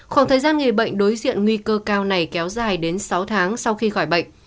khoảng thời gian người bệnh đối diện nguy cơ cao này kéo dài đến sáu tháng sau khi khỏi bệnh